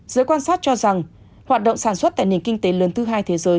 giới quan sát cho rằng hoạt động sản xuất tại nền kinh tế lớn thứ hai thế giới